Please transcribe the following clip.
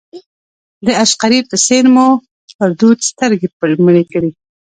د عشقري په څېر مو پر دود سترګې مړې کړې.